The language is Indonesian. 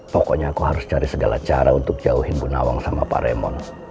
pokoknya aku harus cari segala cara untuk jauhin bu nawang sama pak remon